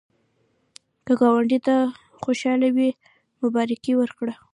که ګاونډي ته خوشالي وي، مبارکي ورکړه